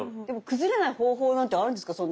でも崩れない方法なんてあるんですか？